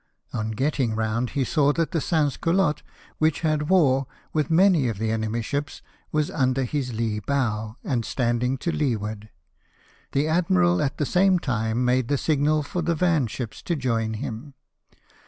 On getting round, he saw that the Sans Culottes, which had wore, with many of the enemy's ships, was under his lee bow, and standing to leeward. The admiral, at the same time, made the signal for the van ships to join him.